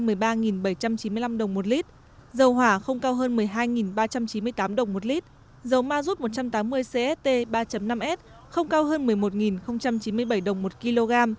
giá xăng ron chín mươi hai tăng năm trăm chín mươi chín đồng một lit dầu hỏa không cao hơn một mươi hai ba trăm chín mươi tám đồng một lit dầu ma rút một trăm tám mươi cst ba năm s không cao hơn một mươi một chín mươi bảy đồng một kg